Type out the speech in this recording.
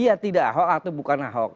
iya tidak ahok atau bukan ahok